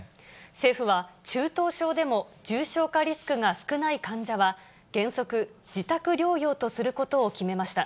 政府は、中等症でも重症化リスクが少ない患者は、原則、自宅療養とすることを決めました。